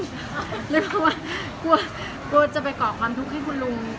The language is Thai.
เพราะว่ากลัวกลัวจะไปก่อความทุกข์ให้คุณลุง